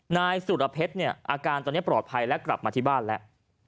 นายสุรเพชรเนี่ยอาการตอนนี้ปลอดภัยและกลับมาที่บ้านแล้ว